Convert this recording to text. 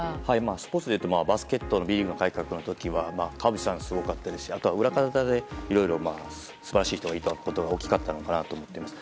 スポーツでいうとバスケットボールリーグの改革の時は川淵さんがすごかったですしあとは、裏方で素晴らしい人がいたことが大きかったのかなと思っています。